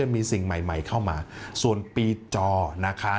มีสิ่งใหม่เข้ามาส่วนปีจอนะคะ